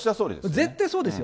絶対そうですよ。